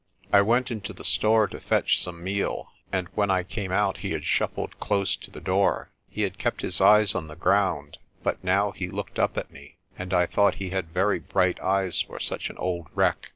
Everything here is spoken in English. I went into the store to fetch some meal, and when I came out he had shuffled close to the door. He had kept his eyes on the ground, but now he looked up at me, and I thought he had very bright eyes for such an old wreck.